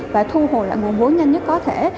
và thu hồi lại nguồn vốn nhanh nhất có thể